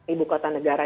ibu kota negara